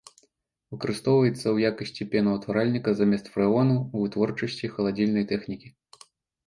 Выкарыстоўваецца ў якасці пенаўтваральніка замест фрэону ў вытворчасці халадзільнай тэхнікі.